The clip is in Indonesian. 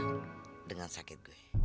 iya dengan sakit gue